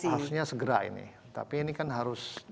harusnya segera ini tapi ini kan harus